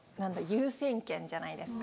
優先権じゃないですか。